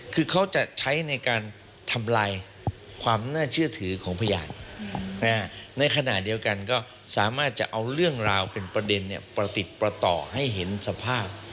คือเขาจะใช้ในการทำลายความน่าเชื่อถือของพยานในขณะเดียวกันก็สามารถจะเอาเรื่องราวเป็นประเด็นประติดประต่อให้เห็นสภาพ